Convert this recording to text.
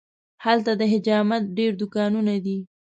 هلته د حجامت ډېر دوکانونه دي.